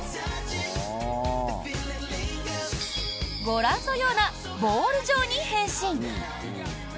ご覧のようなボウル状に変身。